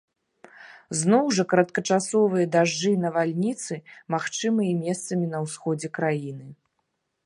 Зноў жа кароткачасовыя дажджы і навальніцы магчымыя месцамі на ўсходзе краіны.